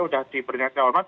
sudah diberi informasi